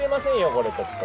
これちょっと！